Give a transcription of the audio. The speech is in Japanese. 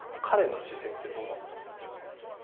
彼の視線ってどうなってますか？